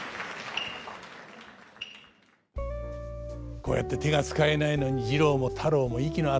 こうやって手が使えないのに次郎も太郎も息の合った踊り。